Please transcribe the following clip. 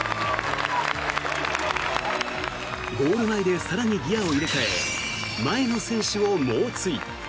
ゴール前で更にギアを入れ替え前の選手を猛追。